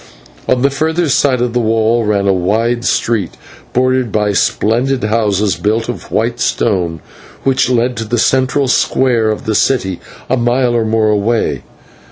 On the further side of the wall ran a wide street, bordered by splendid homes built of white stone, which led to the central square of the city, a mile or more away.